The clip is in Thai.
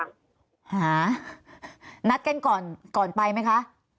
ตอนที่จะไปอยู่โรงเรียนจบมไหนคะ